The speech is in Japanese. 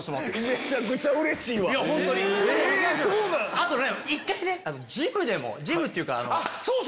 あとね１回ジムでもジムっていうか。